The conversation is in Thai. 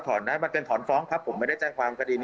ก็ถอนนะมันเป็นถอนฟ้องครับผมไม่ได้แจ้งความ